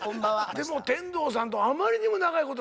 でも天童さんとあまりにも長いこと。